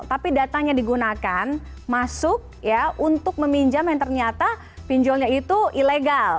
tapi datanya digunakan masuk ya untuk meminjam yang ternyata pinjolnya itu ilegal